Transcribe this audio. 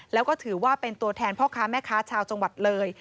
แล้วก็ถือว่าเป็นตัวแทนพ่อค้าแม่ค้าชาวจังหวัดเลย